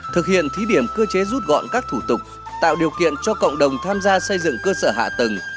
thực hiện thí điểm cơ chế rút gọn các thủ tục tạo điều kiện cho cộng đồng tham gia xây dựng cơ sở hạ tầng